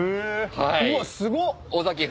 ・うわっすごっ！